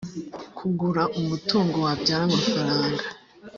kugura umutungo wabyara amafaranga